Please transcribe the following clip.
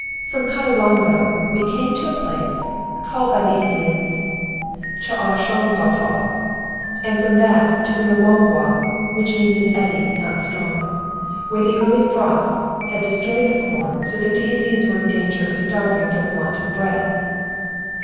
From Conowongo we came to a place, called by the Indians Che ua shung gau tau, and from that to U na waum gwa, (which means an eddy, not strong), where the early frosts had destroyed the corn so that the Indians were in danger of starving for the want of bread.